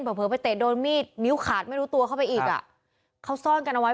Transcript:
เผลอไปเตะโดนมีดนิ้วขาดไม่รู้ตัวเข้าไปอีกอ่ะเขาซ่อนกันเอาไว้